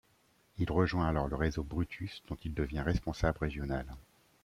Il rejoint alors le réseau Brutus, dont il devient responsable régional.